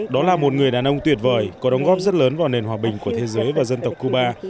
đó là một người đàn ông tuyệt vời có đóng góp rất lớn vào nền hòa bình của thế giới và dân tộc cuba